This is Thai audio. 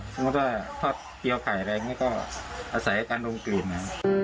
สมมติว่าทอดเกลียวไข่อะไรนี่ก็อาศัยการดมกลีดนะ